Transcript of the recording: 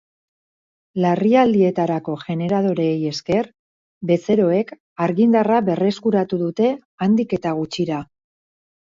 Larrialdietarako generadoreei esker, bezeroek argindarra berreskuratu dute handik eta gutxira.